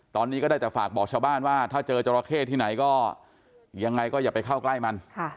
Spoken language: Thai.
ตอนนี้ก็ได้จะฝากบอกชาวบ้านว่า